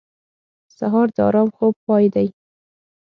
سهار د ارام خوب پای دی.